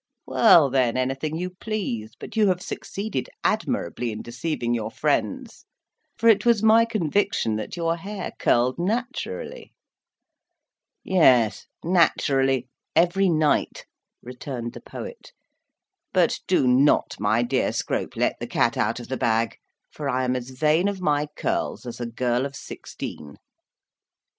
"Well, then, anything you please; but you have succeeded admirably in deceiving your friends, for it was my conviction that your hair curled naturally." "Yes, naturally, every night," returned the poet; "but do not, my dear Scrope, let the cat out of the bag, for I am as vain of my curls as a girl of sixteen."